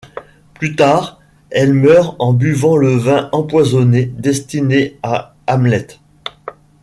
Plus tard, elle meurt en buvant le vin empoisonné destiné à Hamlet.